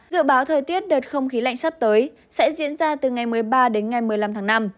dự báo thời tiết đợt không khí lạnh sắp tới sẽ diễn ra từ ngày một mươi ba đến ngày một mươi năm tháng năm